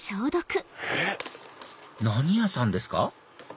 えっ⁉何屋さんですか？